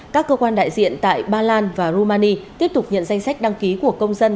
các cơ quan đại diện tại ba lan và rumani tiếp tục nhận danh sách đăng ký của công dân